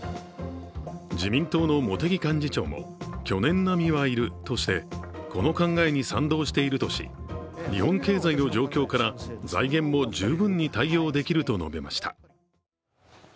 自民党の茂木幹事長も去年並みは要るとしてこの考えに賛同しているとし、日本経済の状況から財源も十分に対応できると述べました。